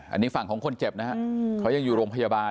อันนี้ฝั่งของคนเจ็บนะฮะเขายังอยู่โรงพยาบาล